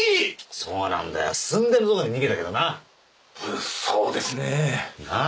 そうなんだよすんでのとこで逃げたけどな物騒ですねなっ